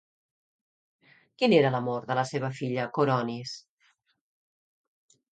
Qui era l'amor de la seva filla Coronis?